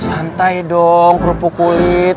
santai dong kerupuk kulit